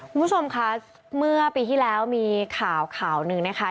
คุณผู้ชมคะเมื่อปีที่แล้วมีข่าวข่าวหนึ่งนะคะ